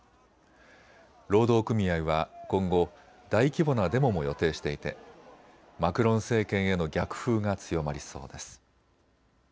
労働組合は今後、大規模なデモも予定していてマクロン政権への逆風が強まりそうです。